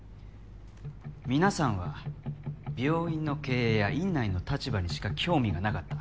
皆さんは病院の経営や院内での立場にしか興味がなかった。